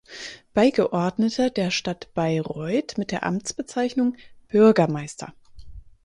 Beigeordneter der Stadt Bayreuth mit der Amtsbezeichnung "Bürgermeister".